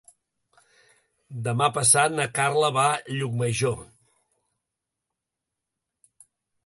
Demà passat na Carla va a Llucmajor.